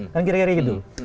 kan kira kira gitu